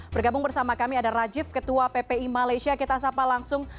bergabung bersama kami ada rajif ketua ppi malaysia kita sapa langsung